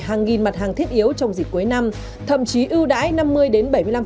hàng nghìn mặt hàng thiết yếu trong dịp cuối năm thậm chí ưu đãi năm mươi đến bảy mươi năm